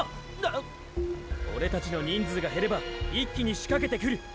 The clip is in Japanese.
オレたちの人数が減れば一気にしかけてくる。